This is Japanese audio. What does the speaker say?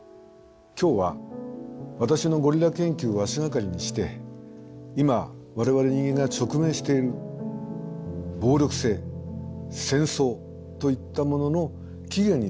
今日は私のゴリラ研究を足がかりにして今我々人間が直面している暴力性戦争といったものの起源について考えてみようと思います。